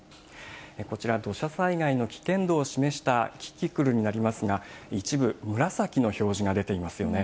こちら、土砂災害の危険度を示したキキクルになりますが、一部、紫の表示が出ていますよね。